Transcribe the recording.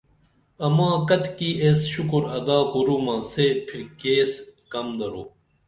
اماں کتِکی ایس شُکُر ادا کُرُمہ سے پِھرکِیس کم درو